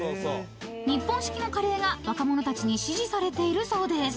［日本式のカレーが若者たちに支持されているそうです］